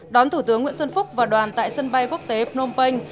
đón thủ tướng nguyễn xuân phúc và đoàn tại sân bay quốc tế phnom penh